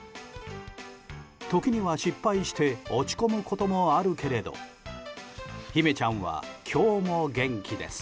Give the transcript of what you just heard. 時には失敗して落ち込むこともあるけれどひめちゃんは今日も元気です。